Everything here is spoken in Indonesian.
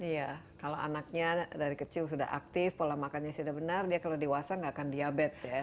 iya kalau anaknya dari kecil sudah aktif pola makannya sudah benar dia kalau dewasa gak akan diabetes ya